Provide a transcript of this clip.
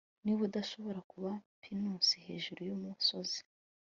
niba udashobora kuba pinusi hejuru yumusozi